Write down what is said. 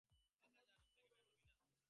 বাসায় যা, রুম থেকে বের হবি না।